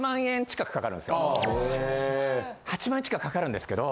８万円近くかかるんですけど